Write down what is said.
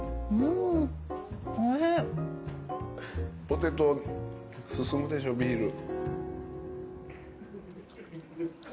ポテト進むでしょビール。